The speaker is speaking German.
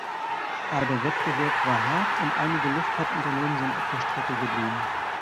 Aber der Wettbewerb war hart, und einige Luftfahrtunternehmen sind auf der Strecke geblieben.